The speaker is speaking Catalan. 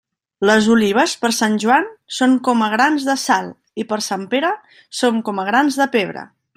Les olives, per Sant Joan, són com a grans de sal; i per Sant Pere són com a grans de pebre.